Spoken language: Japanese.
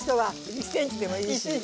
１ｃｍでもいいね。